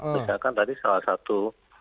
misalkan tadi salah satu